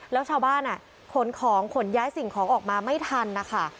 แล้วชาวบ้านขนของขนย้ายสิ่งของออกมาไม่ทันนะคะ